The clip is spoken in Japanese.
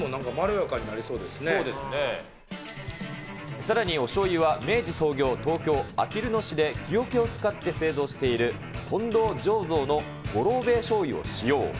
さらに、おしょうゆは明治創業、東京・あきる野市で木桶を使って製造している、近藤醸造の五郎兵衛醤油を使用。